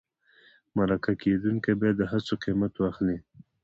مرکه کېدونکی باید د هڅو قیمت واخلي.